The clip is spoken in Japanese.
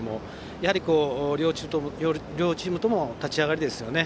やはり、両チームとも立ち上がりですよね。